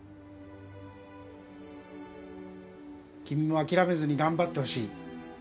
君も諦めずに頑張ってほしい。